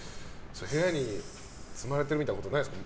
部屋に積まれてるみたいなことないですか？